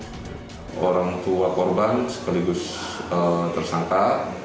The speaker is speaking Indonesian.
kepada orang tua korban sekaligus tersangka